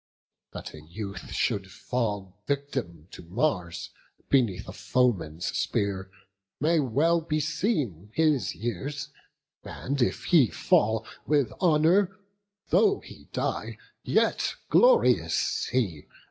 That a youth should fall Victim, to Mars, beneath a foeman's spear, May well beseem his years; and if he fall With honour, though he die, yet glorious he!